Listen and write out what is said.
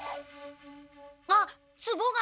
あっツボが！